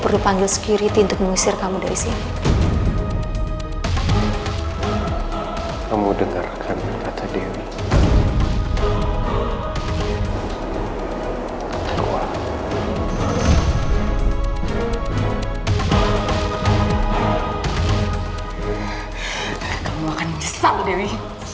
hai kamu akan nyesal dewi